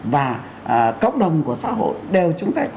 và cộng đồng của xã hội